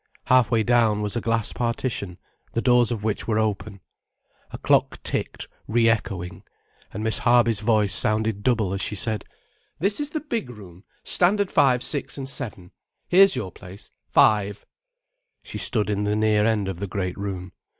Half way down was a glass partition, the doors of which were open. A clock ticked re echoing, and Miss Harby's voice sounded double as she said: "This is the big room—Standard Five Six and Seven.—Here's your place—Five——" She stood in the near end of the great room.